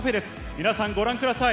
皆さん、ご覧ください。